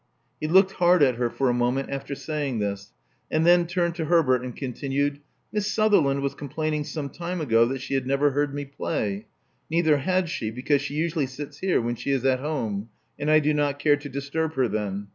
He looked hard at her for a moment after saying this, and then turned to Herbert, and continued, Miss Suther land was complaining some time ago that she had never heard me play. Neither had she, because she usually sits here when she is at home ; and I do not care to disturb her then.